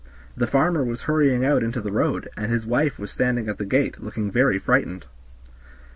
The farmer was hurrying out into the road, and his wife was standing at the gate, looking very frightened.